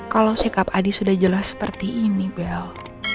kalau sikap adi sudah jelas seperti ini bel